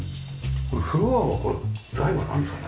フロアはこれ材はなんですかね？